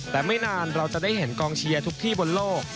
แต่ไม่นานเราจะได้เห็นกองเชียร์ทุกที่บนโลก